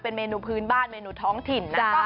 เป็นเมนูพื้นบ้านเมนูท้องถิ่นนะจ๊ะ